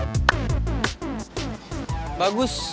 jaminin sekarang kamu tidur ya